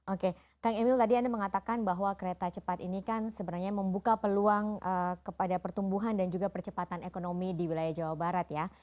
oke kang emil tadi anda mengatakan bahwa kereta cepat ini kan sebenarnya membuka peluang kepada pertumbuhan dan juga percepatan ekonomi di wilayah jawa barat ya